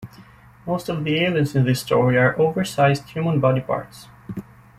Most of the aliens in this story are oversized human body parts.